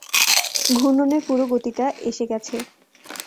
ঘূর্ণনের পুরো গতিটা এসে গেছে!